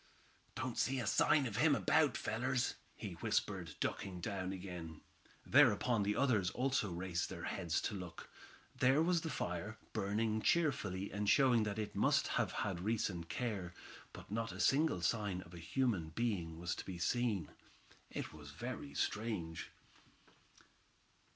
"Don't see a sign of him about, fellers," he whispered, ducking down again. Thereupon the others also raised their heads to look. There was the fire, burning cheerfully, and showing that it must have had recent care. But not a single sign of a human being was to be seen. It was very strange.